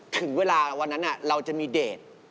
ถึงเวลาวันนั้นเราจะมีเดท